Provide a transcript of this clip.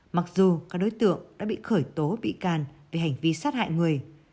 mặc dù các đối tượng đã bị khởi tố bị can về hành vi sát hại người